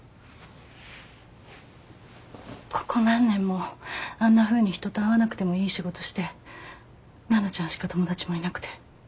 ここ何年もあんなふうに人と会わなくてもいい仕事して奈々ちゃんしか友達もいなくて。